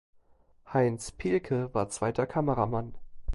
Heinz Pehlke war zweiter Kameramann.